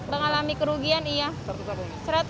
mengalami kerugian iya